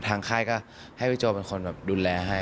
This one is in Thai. ค่ายก็ให้พี่โจเป็นคนแบบดูแลให้